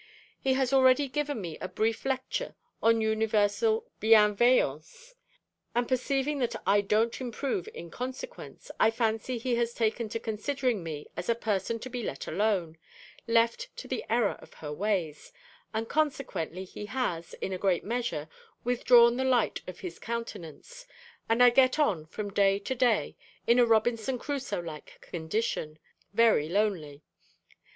He has already given me a brief lecture on universal bienveillance; and perceiving that I don't improve in consequence, I fancy he has taken to considering me as a person to be let alone, left to the error of her ways, and consequently he has, in a great measure, withdrawn the light of his countenance; and I get on from day to day, in a Robinson Crusoe like condition, very lonely.